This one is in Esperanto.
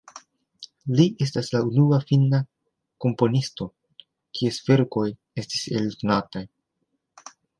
Li estas la unua finna komponisto, kies verkoj estis eldonataj.